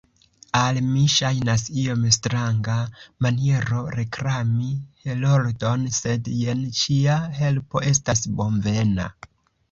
Al mi ŝajnas iom stranga maniero reklami Heroldon, sed jen ĉia helpo estas bonvena.